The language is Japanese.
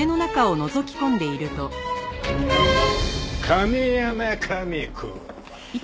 亀山亀子。